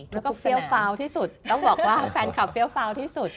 แล้วก็เฟี้ยวฟาวที่สุดต้องบอกว่าแฟนคลับเฟี้ยวฟาวที่สุด